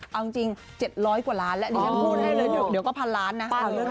เอาจริง๗๐๐กว่าล้านแล้วดิฉันพูดให้เลยเดี๋ยวก็พันล้านนะ